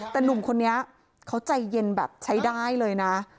แต่หนุ่มคนนี้เขาใจเย็นแบบใช้ได้เลยนะ